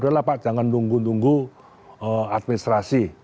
yaudah pak jangan tunggu tunggu administrasi